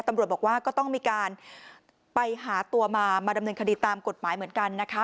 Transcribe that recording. ตำรวจบอกว่าก็ต้องมีการไปหาตัวมามาดำเนินคดีตามกฎหมายเหมือนกันนะคะ